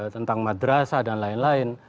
tentang madrasah dan lain lain